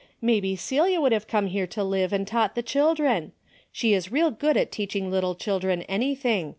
Maybe Celia would have come here to live and taught the children. She is real good at teaching little children anything.